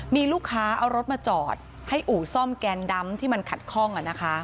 มีลูกค้าเอารถมาจอดให้อู่ซ่อมแกนดำที่มันขัดข้อง